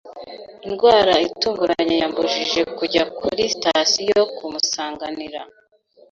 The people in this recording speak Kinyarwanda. Indwara itunguranye yambujije kujya kuri sitasiyo kumusanganira.